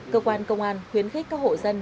cơ quan công an khuyến khích các hộ dân